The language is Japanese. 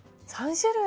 ３種類！